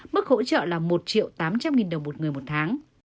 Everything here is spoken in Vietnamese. mức hỗ trợ là một tám trăm linh đồng một người một tháng